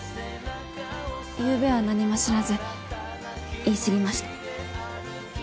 ゆうべは何も知らず言い過ぎました。